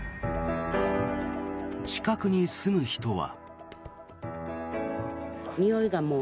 近くに住む人は。